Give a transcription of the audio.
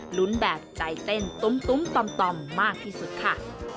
ลุ้นแบบใจเต้นตุ้มต่อมมากที่สุดค่ะ